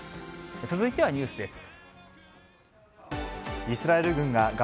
続いてはニュースです。